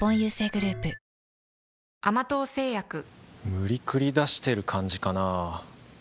無理くり出してる感じかなぁ